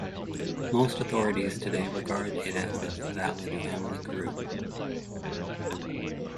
Most authorities today regard it as a valid family group.